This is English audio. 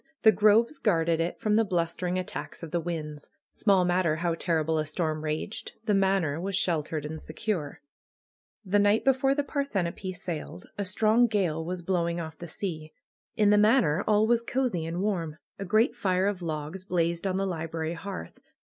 The groves guarded it from the blustering attacks of the winds. ue THE KNELL OF NAT PAGAN Small matter how terrible a storm raged, the Manor was sheltered and secure. The night before the Parthenope sailed a strong gale was blowing off the sea. In the Manor all was cosey and warm. A great fire of logs blazed on the library hearth.